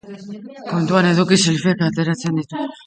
Kontuan eduki selfieak ateratzen dituela.